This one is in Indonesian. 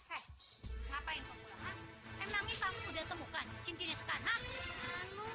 hai kenapa yang pemula emangnya kamu udah temukan cincinnya sekarang aku